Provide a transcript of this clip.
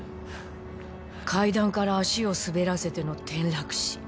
階段から足を滑らせての転落死。